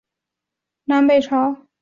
刘邕是南北朝时期南朝宋官员。